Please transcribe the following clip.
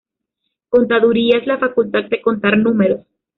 Contaduría es la facultad de contar números